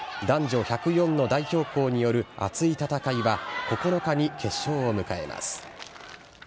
男女１０４の代表校による、熱い戦いは９日に決勝を迎えます。